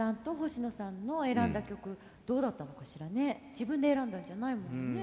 自分で選んだんじゃないもんね。